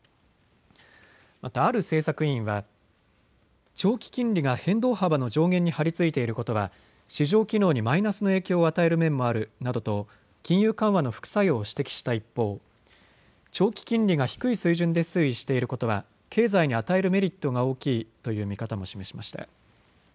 また、ある政策委員は長期金利が変動幅の上限に張り付いていることは市場機能にマイナスの影響を与える面もあるなどと金融緩和の副作用を指摘した一方、長期金利が低い水準で推移していることは経済に与えるメリットが大きいという見方も示しました。